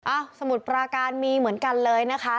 สมุทรปราการมีเหมือนกันเลยนะคะ